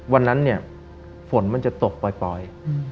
วันนั้นเนี่ยฝนมันจะตกปล่อย